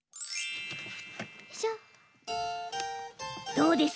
どうです？